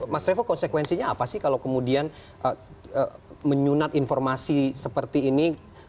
mas revo konsekuensinya apa sih kalau kemudian menyunat informasi seperti ini